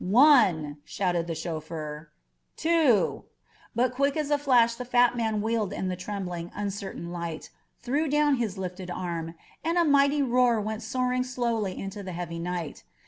"One !" shouted the chauffeur. "Two !" But quick as a flash the fat man wheeled in the trembling, uncertain light, threw down his lifted arm, and a mighty roar went soaring slowly into the heavy night.